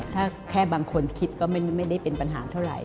ถ้าแค่บางคนคิดก็ไม่ได้เป็นปัญหาเท่าไหร่